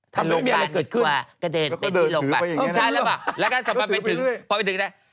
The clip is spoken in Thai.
นางก็สมัยไปถึงปลอมไปถึงเลย